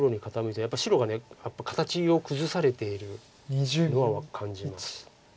やっぱり白が形を崩されているのは感じます。